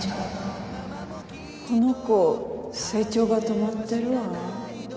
この子成長が止まってるわ。